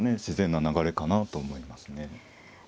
自然な流れかなと思いますね。